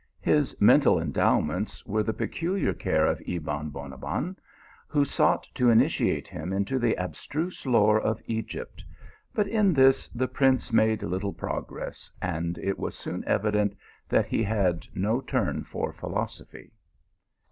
Hia mental endowments were the peculiar care of Ebon Bonabbon, who sought to initiate him into the ar> struseMore of Egypt, but in this the prince made little progress, and it was soon evident that he had no turn for philosophy.